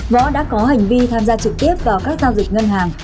võ đã có hành vi tham gia trực tiếp vào các giao dịch ngân hàng